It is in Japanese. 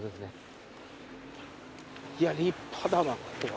いや立派だなここは。